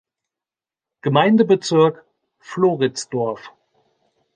Gemeindebezirk Floridsdorf.